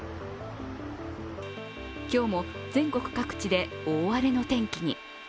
今日も全国各地で大荒れの天気に。